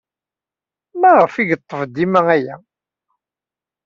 Maɣef ay yetteg dima aya?